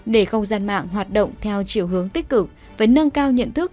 để không gian mạng hoạt động theo chiều hướng tích cực và nâng cao nhận thức